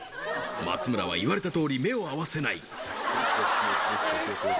松村は言われたとおり、目を合わせない。